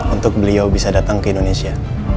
untuk beliau bisa datang ke indonesia